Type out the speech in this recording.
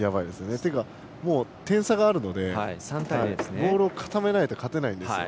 点差があるのでボールを固めないと勝てないんです。